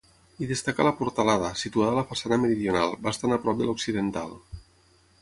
Hi destaca la portalada, situada a la façana meridional, bastant a prop de l'occidental.